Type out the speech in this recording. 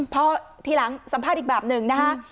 พอทีหลังสัมภาษณ์อีกแบบหนึ่งนะคะ